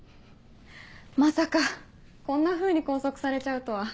まさかこんなふうに拘束されちゃうとは。